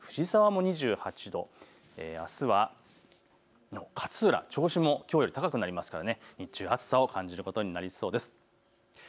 藤沢も２８度、勝浦、銚子もきょうより高くなりますから日中、暑さを感じることになりそうです。